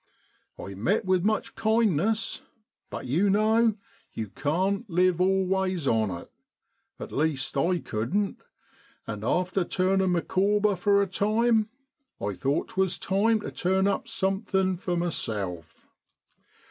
I met with much kindness, but, you know, you can't live always on it at least, I couldn't and after turning Micawber for a time, I thought 'twas time to turn up something for myself.